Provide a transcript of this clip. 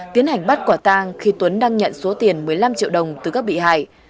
tiến hành bắt quả tang khi tuấn đang nhận số tiền một mươi năm triệu đồng từ các bị hại